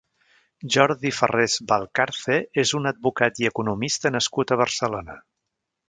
Jordi Ferrés Valcarce és un advocat i economista nascut a Barcelona.